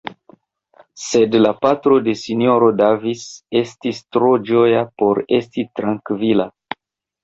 Sed la patro de S-ro Davis estis tro ĝoja por esti trankvila.